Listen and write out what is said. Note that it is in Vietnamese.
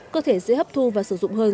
cơ thể dễ hấp thu và sử dụng hơn